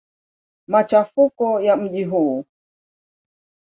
Machafuko ya mji huu.